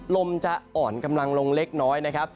ลมจะอ่อนกำลังลงเล็กน้อยนะครับ